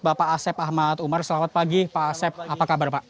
bapak asep ahmad umar selamat pagi pak asep apa kabar pak